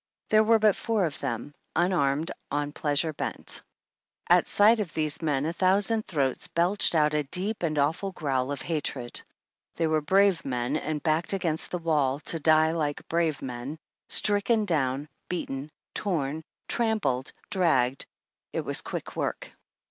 There were but four of them, unarmed, on pleasure bent. At sight of these men, a thousand throats belched out a deep and awful growl of hatred. They were brave men, and backed against the wall to die like brave men, stricken down, beaten, torn, trampled, dragged, it was quick work.